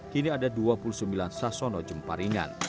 kini ada dua puluh sembilan sasono jemparingan